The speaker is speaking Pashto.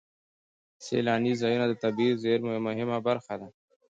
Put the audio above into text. سیلاني ځایونه د طبیعي زیرمو یوه مهمه برخه ده.